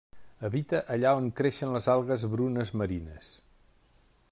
Habita allà on creixen les algues brunes marines.